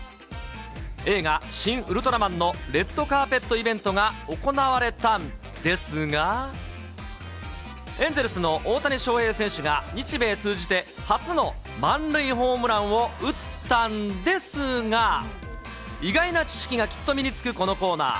映画、シン・ウルトラマンのレッドカーペットイベントが行われたんですが、エンゼルスの大谷翔平選手が日米通じて初の満塁ホームランを打ったんですが、意外な知識がきっと身につくこのコーナー。